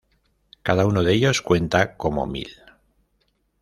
Cada uno de ellos cuenta como mil.